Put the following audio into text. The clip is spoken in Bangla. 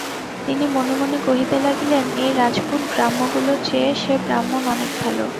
তিনি মনে মনে কহিতে লাগিলেন, এই রাজপুত গ্রাম্যগুলোর চেয়ে সে ব্রাহ্মণ অনেক ভালো।